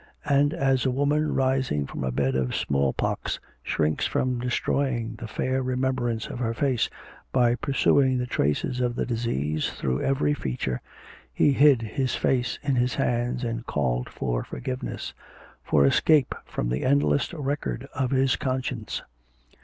And as a woman rising from a bed of small pox shrinks from destroying the fair remembrance of her face by pursuing the traces of the disease through every feature, he hid his face in his hands and called for forgiveness for escape from the endless record of his conscience.